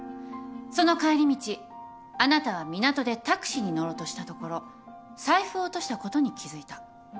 その帰り道あなたは港でタクシーに乗ろうとしたところ財布を落としたことに気付いた。